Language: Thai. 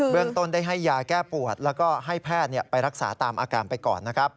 เรื่องต้นได้ให้ยาแก้ปวดแล้วก็ให้แพทย์ไปรักษาตามอาการไปก่อนนะครับ